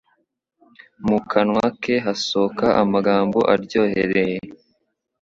Mu kanwa ke hasokoka amagambo aryohereye